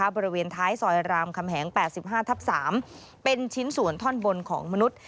บริเวณท้ายซอยรามคำแหง๘๕ทับ๓เป็นชิ้นส่วนท่อนบนของมนุษย์